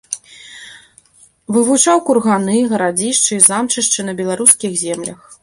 Вывучаў курганы, гарадзішчы і замчышчы на беларускіх землях.